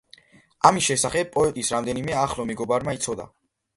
ამის შესახებ პოეტის რამდენიმე ახლო მეგობარმა იცოდა.